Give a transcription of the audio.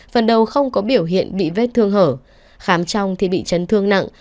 phần đầu không có biểu hiện bị vết thương hở khám trong thì bị chấn thương nặng